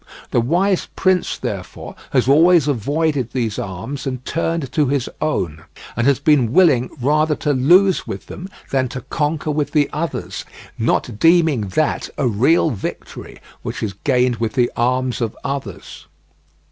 The wise prince, therefore, has always avoided these arms and turned to his own; and has been willing rather to lose with them than to conquer with the others, not deeming that a real victory which is gained with the arms of others.